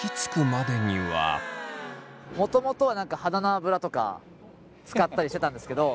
もともとは鼻の脂とか使ったりしてたんですけど。